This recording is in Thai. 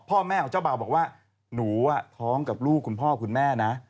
พ่อแม่ของเจ้าเบาบอกว่าหนูท้องกับลูกคุณพ่อคุณแม่นะ